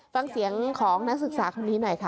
ฟังเสียงของนักศึกษาคนนี้หน่อยค่ะ